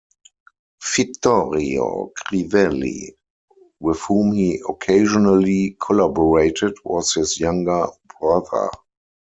Vittorio Crivelli, with whom he occasionally collaborated, was his younger brother.